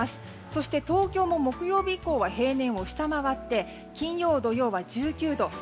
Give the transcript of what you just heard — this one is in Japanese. そして東京も木曜日以降は平年を下回って金曜、土曜は１９度。